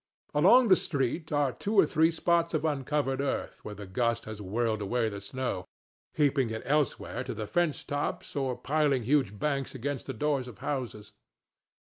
Along the street are two or three spots of uncovered earth where the gust has whirled away the snow, heaping it elsewhere to the fence tops or piling huge banks against the doors of houses.